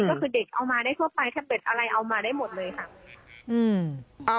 ก็คือเด็กเอามาได้ทั่วไปถ้าเป็ดอะไรเอามาได้หมดเลยค่ะ